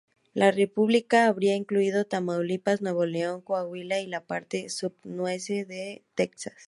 La república habría incluido Tamaulipas, Nuevo León, Coahuila, y la parte sub-Nueces de Texas.